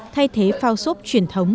thay thế phao sốt truyền thống